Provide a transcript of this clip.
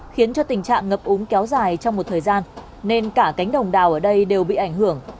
khiến cho tình trạng ngập úng kéo dài trong một thời gian nên cả cánh đồng đào ở đây đều bị ảnh hưởng